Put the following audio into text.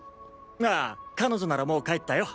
ああ彼女ならもう帰ったよ。